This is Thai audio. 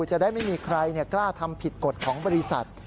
จะได้ไม่มีใครกล้าทำผิดกฎของบริษัท